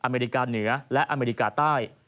เมริกาเหนือและอเมริกาใต้